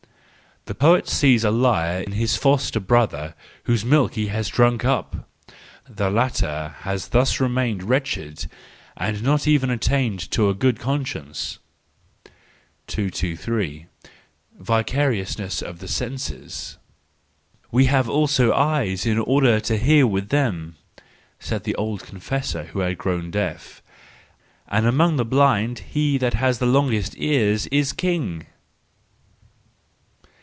—The poet sees in the liar his foster brother whose milk he has drunk up; the latter has thus remained wretched, and has not even attained to a good conscience. 223. Vicariousness of the Senses .—"We have also eyes in order to hear with them,"—said an old confessor who had grown deaf; "and among the blind he that has the longest ears is king."